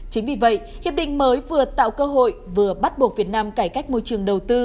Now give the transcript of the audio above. chính vì vậy hiệp định mới vừa tạo cơ hội vừa bắt buộc việt nam cải cách môi trường đầu tư